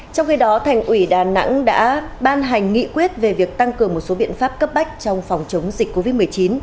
trong khi đó thành ủy đà nẵng đã ban hành nghị quyết về việc tăng cường một số biện pháp cấp bách trong phòng chống dịch covid một mươi chín